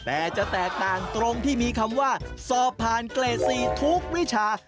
แต่จะแตกต่างตรงที่มีคำว่าสอบผ่านเกรด๔ทุกวิชา